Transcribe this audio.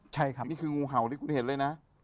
ใช่ครับนี่คืองูเห่าที่คุณเห็นเลยนะ